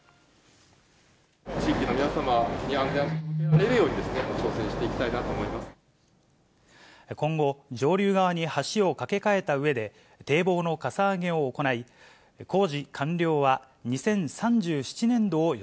地域の皆様に安全を届けられるように、挑戦していきたいなと今後、上流側に橋を架け替えたうえで、堤防のかさ上げを行い、工事完了